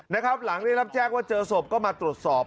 หลังได้รับแจ้งว่าเจอศพก็มาตรวจสอบ